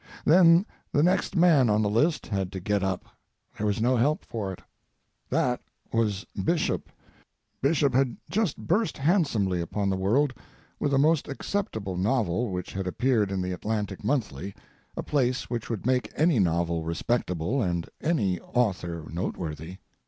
Then the next man on the list had to get up—there was no help for it. That was Bishop—Bishop had just burst handsomely upon the world with a most acceptable novel, which had appeared in The Atlantic Monthly, a place which would make any novel respectable and any author noteworthy.